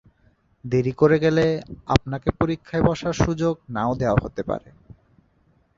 দেরি করে গেলে আপনাকে পরীক্ষায় বসার সুযোগ না-ও দেয়া হতে পারে।